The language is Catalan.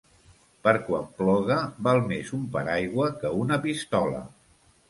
Per quan ploga, val més un paraigua que una pistola.